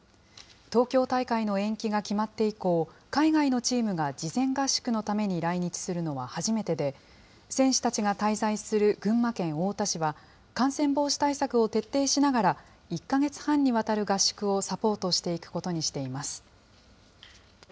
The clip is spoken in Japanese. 東京大会の延期が決まって以降、海外のチームが事前合宿のために来日するのは初めてで、選手たちが滞在する群馬県太田市は、感染防止対策を徹底しながら、１か月半にわたる合宿をサポートしていくことにしています。